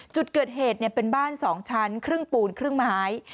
จุดเกิดเหตุเป็นบ้าน๒ชั้นครึ่งปูนครึ่งไม้